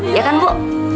iya kan bu